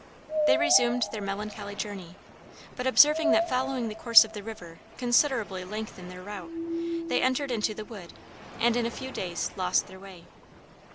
They resumed their melancholy journey; but observing that following the course of the river considerably lengthened their route, they entered into the wood, and in a few days lost their way.